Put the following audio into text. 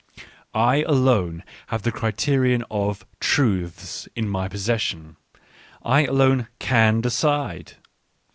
I alone have the criterion of " truths " in my possession. I alone can decide.